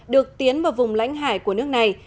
được tiến vào vùng lãnh hải của nước này